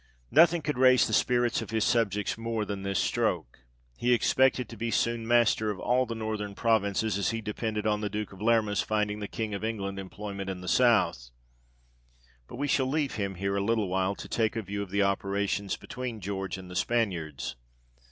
Nothing could raise the spirits of his subjects more than this stroke ; he expected to be soon master of all the northern provinces, as he depended on the Duke of Lerma's finding the King of England employment in the south. But we shall leave him here a little while, to take a view of the operations between George and the Spaniards.